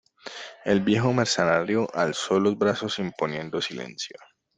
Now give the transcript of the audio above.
el viejo mercenario alzó los brazos imponiendo silencio: